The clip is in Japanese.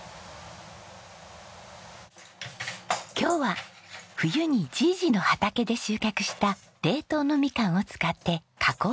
今日は冬にじぃじの畑で収穫した冷凍のみかんを使って加工品を試作します。